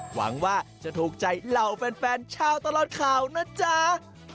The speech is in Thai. หวังว่าจะถูกใจเหล่าแฟนชาวตลอดข่าวนะจ๊ะ